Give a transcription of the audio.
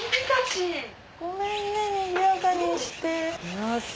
ごめんねにぎやかにして。